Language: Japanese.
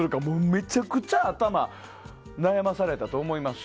めちゃくちゃ頭悩ませたと思います